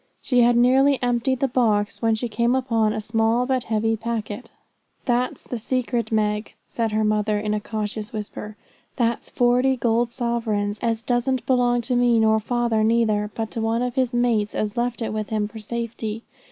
She had nearly emptied the box, when she came upon a small but heavy packet. 'That's the secret, Meg,' said her mother in a cautious whisper. 'That's forty gold sovereigns, as doesn't belong to me, nor father neither, but to one of his mates as left it with him for safety.